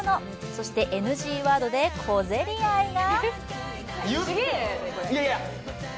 そしてＮＧワードで小競り合いが。